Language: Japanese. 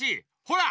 ほら！